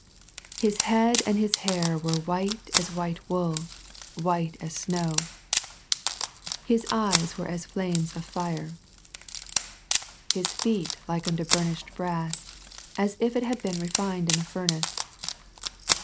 " His head and His hair were white as white wool, white as snow." " His eyes were as a flame of fire." " His feet Hke unto burnished brass, as if it had been refined in a furnace."